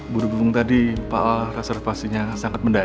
buru burung tadi pak al reservasinya sangat mendadak